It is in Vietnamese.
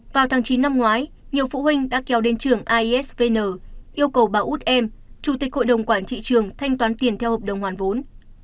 vào tháng chín năm ngoái nhiều phụ huynh đã kéo đến trường aisvn yêu cầu bà út em chủ tịch hội đồng quản trị trường thanh toán tiền theo hợp đồng hoàn vốn